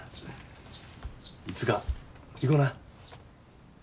いつか行こな。